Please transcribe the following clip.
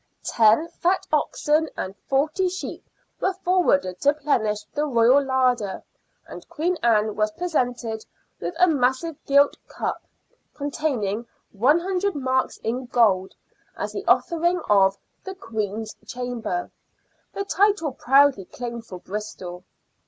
Ten fat oxen and forty sheep were forwarded to plenish the Royal larder, and Queen Anne was presented with a massive gilt cup, containing 100 marks in gold, as the offering of " The Queen's Chamber," the title proudly claimed for Bristol.